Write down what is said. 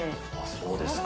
そうですか。